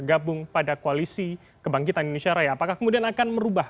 apakah kemudian akan merubah